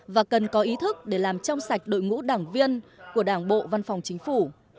và cần có ý thức để làm trong sạch đội ngũ đảng viên của đảng bộ văn phòng chính phủ